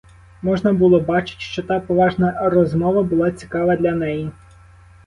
Можна було бачить, що та поважна розмова була цікава для неї.